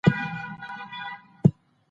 شفافیت د سمې ادارې نښه ده.